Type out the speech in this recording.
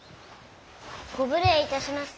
ご無礼いたします。